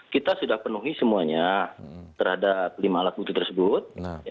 kita sudah penuhi semuanya terhadap lima alat bukti tersebut